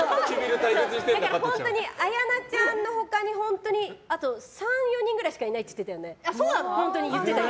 だから本当に綾菜ちゃんの他にあと３４人くらいしかいないって言ってたよね。